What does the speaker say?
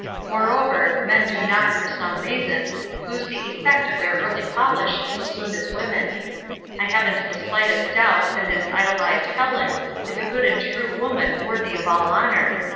Moreover, men do not, for some reason, lose the effect of their early polish so soon as women. I haven't the slightest doubt that his idolized 'Helen' is a good and true woman worthy of all honor.